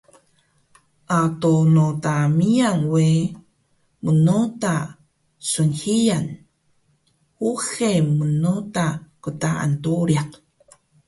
Ado noda miyan we mnoda snhiyan, uxe mnoda qtaan doriq